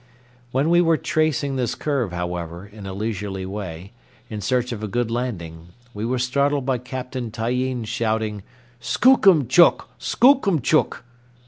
When we were tracing this curve, however, in a leisurely way, in search of a good landing, we were startled by Captain Tyeen shouting, "Skookum chuck! Skookum chuck!"